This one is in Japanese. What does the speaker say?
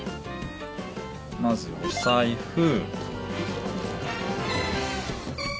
まずお財布。